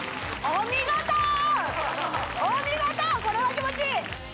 お見事これは気持ちいい！